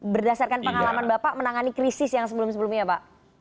berdasarkan pengalaman bapak menangani krisis yang sebelum sebelumnya pak